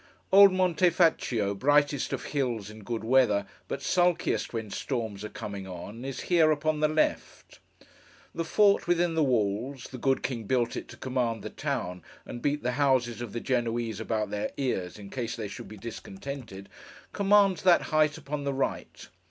Old Monte Faccio, brightest of hills in good weather, but sulkiest when storms are coming on, is here, upon the left. The Fort within the walls (the good King built it to command the town, and beat the houses of the Genoese about their ears, in case they should be discontented) commands that height upon the right.